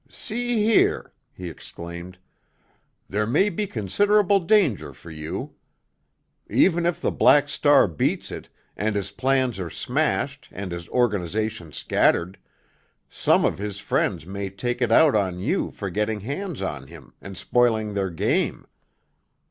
"See here!" he exclaimed. "There may be considerable danger for you. Even if the Black Star beats it, and his plans are smashed and his organization scattered, some of his friends may take it out on you for getting hands on him and spoiling their game.